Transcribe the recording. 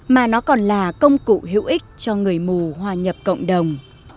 mà nó còn là công cụ hữu ích cho người mù hòa nhập cộng đồng